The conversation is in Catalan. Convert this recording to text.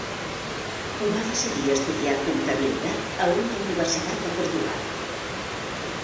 Va decidir estudiar Comptabilitat a una universitat de Portugal.